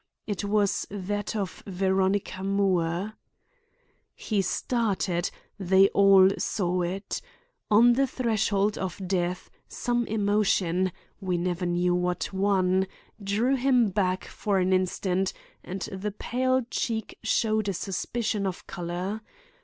It was that of Veronica Moore. He started; they all saw it. On the threshold of death, some emotion—we never knew what one—drew him back for an instant, and the pale cheek showed a suspicion of color.